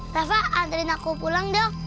rafa antarin aku pulang dong